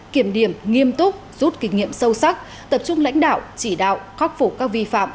kiểm điểm nghiêm túc rút kinh nghiệm sâu sắc tập trung lãnh đạo chỉ đạo khắc phục các vi phạm